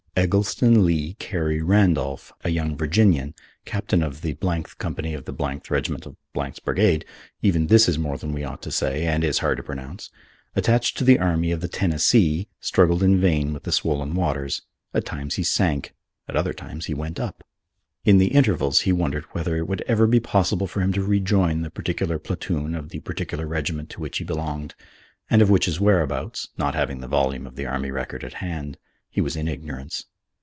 Eggleston Lee Carey Randolph, a young Virginian, captain of the th company of the th regiment of 's brigade even this is more than we ought to say, and is hard to pronounce attached to the Army of the Tennessee, struggled in vain with the swollen waters. At times he sank. At other times he went up. In the intervals he wondered whether it would ever be possible for him to rejoin the particular platoon of the particular regiment to which he belonged, and of which's whereabouts (not having the volume of the army record at hand) he was in ignorance.